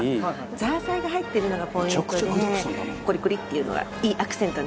ザーサイが入ってるのがポイントでコリコリっていうのがいいアクセントになります。